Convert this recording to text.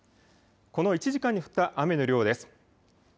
この１時間に降った雨の量です。